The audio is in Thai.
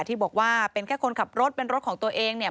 ที่บอกว่าเป็นแค่คนขับรถเป็นรถของตัวเองเนี่ย